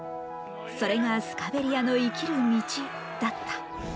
それがスカベリアの生きる道だった。